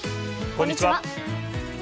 こんにちは。